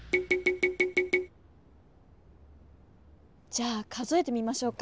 じゃあ数えてみましょうか。